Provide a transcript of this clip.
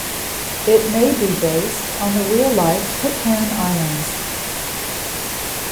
It may be based on the real-life Pitcairn Islands.